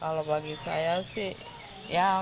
kalau bagi saya sih ya